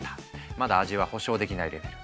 まだ味は保証できないレベル。